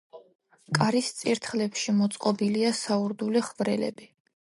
კარის წირთხლებში მოწყობილია საურდულე ხვრელები.